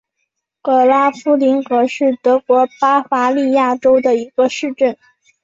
格拉夫林格是德国巴伐利亚州的一个市镇。